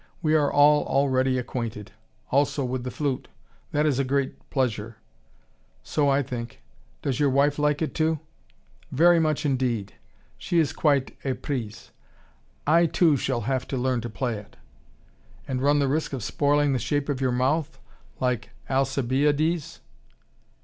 We are all already acquainted: also with the flute. That is a great pleasure." "So I think. Does your wife like it, too?" "Very much, indeed! She is quite eprise. I, too, shall have to learn to play it." "And run the risk of spoiling the shape of your mouth like Alcibiades."